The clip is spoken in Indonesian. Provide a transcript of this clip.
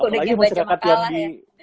apalagi masyarakat yang di